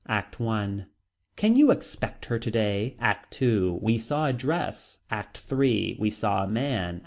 ACT I. Can you expect her today. ACT II. We saw a dress. ACT III. We saw a man.